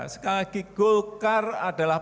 sekali lagi golkar adalah